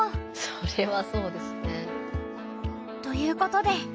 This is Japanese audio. それはそうですね。ということで。